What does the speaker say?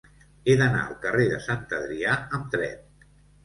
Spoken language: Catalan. He d'anar al carrer de Sant Adrià amb tren.